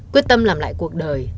quyết tâm làm lại cuộc đời